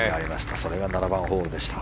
それが７番ホールでした。